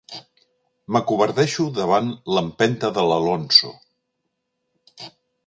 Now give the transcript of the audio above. M'acovardeixo davant l'empenta de l'Alonso.